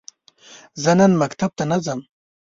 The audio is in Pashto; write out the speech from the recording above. زه نن مکتب ته نه ځم.